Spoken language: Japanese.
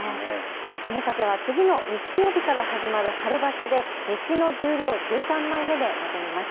友風は次の日曜日から始まる春場所で西の十両１３枚目で臨みます。